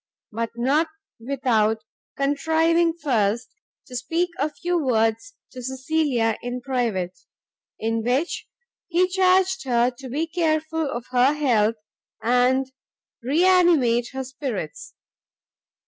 But not without contriving first to speak a few words to Cecilia in private, in which he charged her to be careful of her health, and re animate her spirits.